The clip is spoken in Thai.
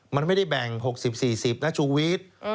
มันไม่ได้แบ่ง๖๐๔๐นะชูวิทย์